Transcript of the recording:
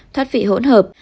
thoát vị hỗn hợp